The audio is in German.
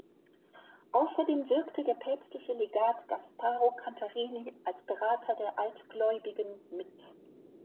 Außerdem wirkte der päpstliche Legat Gasparo Contarini als Berater der Altgläubigen mit.